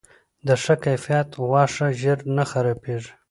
د ښه کیفیت غوښه ژر نه خرابیږي.